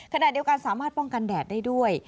ขณะเดียวกันสามารถป้องกันแดดได้ด้วย